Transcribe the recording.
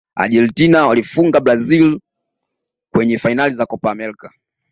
argentina waliwafunga brazil kwenye fainali za kopa amerika